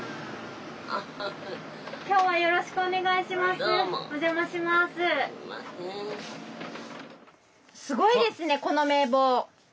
すごいですねこの名簿。